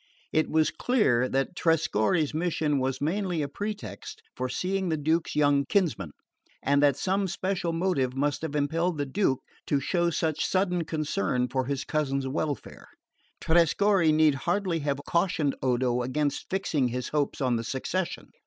It was clear that Trescorre's mission was mainly a pretext for seeing the Duke's young kinsman; and that some special motive must have impelled the Duke to show such sudden concern for his cousin's welfare. Trescorre need hardly have cautioned Odo against fixing his hopes on the succession.